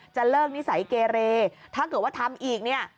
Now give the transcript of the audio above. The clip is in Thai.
จะเลิกนิสัยเกเรถ้าเกิดว่าทำอีกเนี่ย